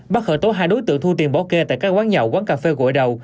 bắt khởi tố hai đối tượng thu tiền bỏ kê tại các quán nhậu quán cà phê gội đầu